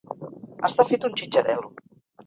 Està fet un xitxarel·lo.